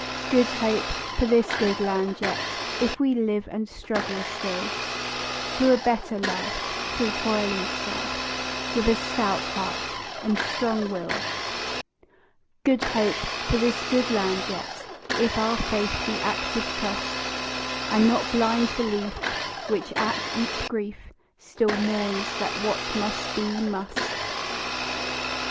"Good Hope" for this good land yet, If we live and struggle still To a better life, through toil and strife, With a stout heart and strong will. "Good Hope" for this good land yet, If our faith be active trust, And not blind belief, which, at each grief, Still mourns that what must be, must.